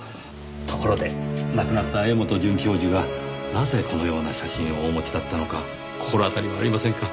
ところで亡くなった柄本准教授がなぜこのような写真をお持ちだったのか心当たりはありませんか？